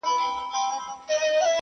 • ړوند یې د فکر پر سمو لارو -